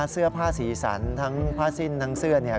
เสื้อผ้าสีสันทั้งผ้าสิ้นทั้งเสื้อเนี่ย